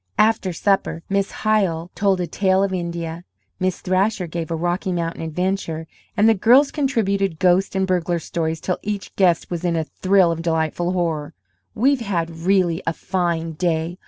After supper Miss Hyle told a tale of India, Miss Thrasher gave a Rocky Mountain adventure, and the girls contributed ghost and burglar stories till each guest was in a thrill of delightful horror. "We've had really a fine day!"